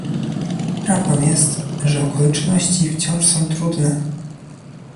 Prawdą jest, że okoliczności wciąż są trudne